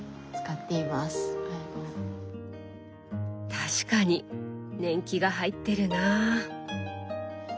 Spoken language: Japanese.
確かに年季が入ってるなあ。